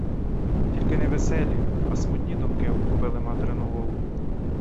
Тільки не веселі, а смутні думки обхопили материну голову.